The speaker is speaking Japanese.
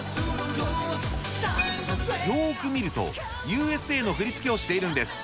よーく見ると、Ｕ．Ｓ．Ａ．の振り付けをしているんです。